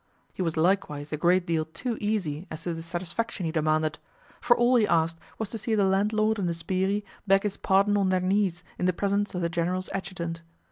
He was likewise a great deal too easy as to the satisfaction he demanded, for all he asked was to see the landlord and the 'sbirri' beg his pardon on their knees in the presence of the general's adjutant.